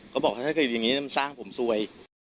เขาบอกว่าเพราะอยู่อย่างนี้มันน่าสร้างผมซวย